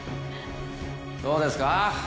そうですか？